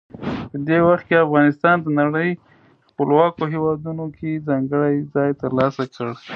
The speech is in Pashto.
په دې وخت کې افغانستان د نړۍ خپلواکو هیوادونو کې ځانګړی ځای ترلاسه کړ.